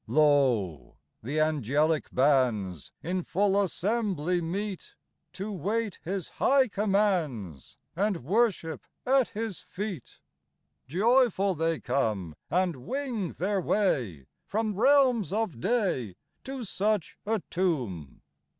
Lo ! the angelic bands In full assembly meet, To wait His high commands, And worship at His feet ; Joyful they come, And wing their way From realms of day To such a tomb.